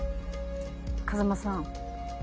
風真さん。